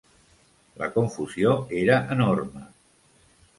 La confusió era enorme